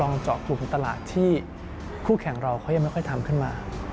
เจาะกลุ่มตลาดที่คู่แข่งเราเขายังไม่ค่อยทำขึ้นมา